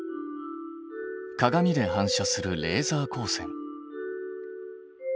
鏡で反射するレーザー光線。